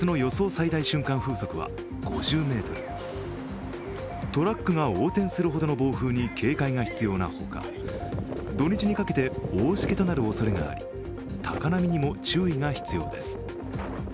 最大瞬間風速は５０メートル、トラックが横転するほどの暴風に警戒が必要なほか、土日にかけて大しけになるおそれもあり高波にも注意が必要です。